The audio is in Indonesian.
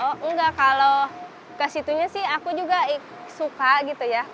oh enggak kalau ke situnya sih aku juga suka gitu ya